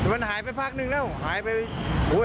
มันหายไปพักนึงแล้วหายไป